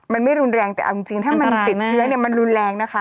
มันไม่รุนแรงแต่เอาจริงถ้ามันติดเชื้อเนี่ยมันรุนแรงนะคะ